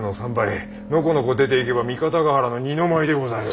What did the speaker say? のこのこ出ていけば三方ヶ原の二の舞でございます。